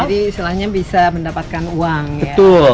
jadi istilahnya bisa mendapatkan uang ya